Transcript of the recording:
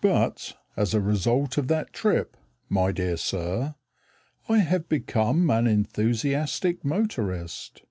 But, as a result of that trip, my dear sir, I have become an enthusiastic motorist.